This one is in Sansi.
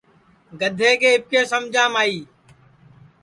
گدھے کے اِٻکے سمجام آئی